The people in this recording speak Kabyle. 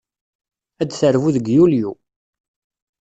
Ad d-terbu deg Yulyu.